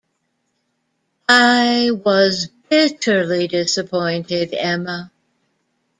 I was bitterly disappointed, Emma.